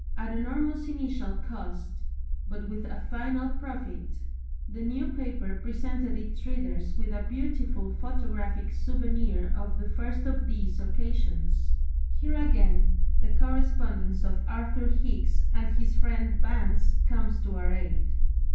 At enormous initial cost, but with a final profit, the New Paper presented its readers with a beautiful photographic souvenir of the first of these occasions. Here again the correspondence of Arthur Hicks and his friend Vance comes to our aid.